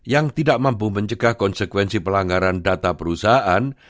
yang tidak mampu mencegah konsekuensi pelanggaran data perusahaan